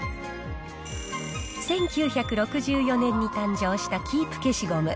１９６４年に誕生したキープ消しゴム。